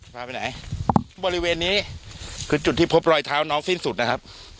พาไปไหนบริเวณนี้คือจุดที่พบรอยเท้าน้องสิ้นสุดนะครับ